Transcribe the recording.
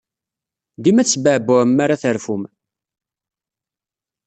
Dima tesbeɛbuɛem mi ara terfum.